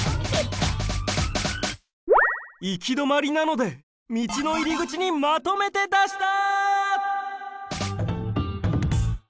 行き止まりなので道の入り口にまとめてだした！